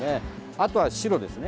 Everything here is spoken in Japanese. あとは白ですね。